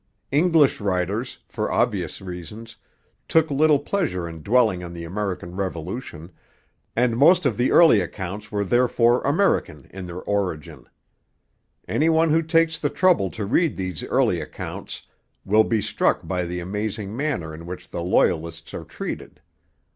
English writers, for obvious reasons, took little pleasure in dwelling on the American Revolution, and most of the early accounts were therefore American in their origin. Any one who takes the trouble to read these early accounts will be struck by the amazing manner in which the Loyalists are treated.